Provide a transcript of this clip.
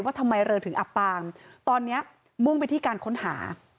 ทำไมเรือถึงอับปางตอนนี้มุ่งไปที่การค้นหา